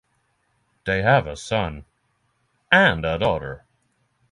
They have a son and a daughter.